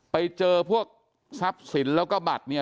ไปเจอพวกทรัพย์สินแล้วก็บัตรเนี่ย